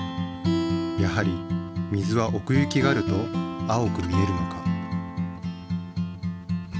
やはり水はおくゆきがあると青く見えるのか？